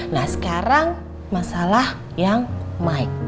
nah sekarang masalah yang mike